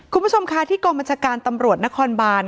คุณผู้ชมค่ะที่กองบัญชาการตำรวจนครบาน